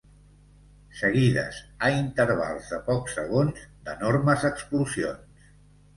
Seguides, a intervals de pocs segons, d'enormes explosions.